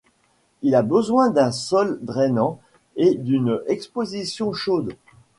Il a besoin d'un sol drainant et d'une exposition chaude.